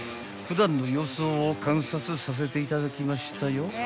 ［普段の様子を観察させていただきましたよ］